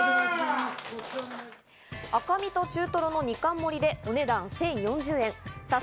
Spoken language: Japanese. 赤身と中トロの２貫盛りでお値段１０４０円。